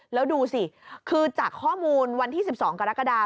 แล้วดูสิคือจากข้อมูลวันที่๑๒กรกฎา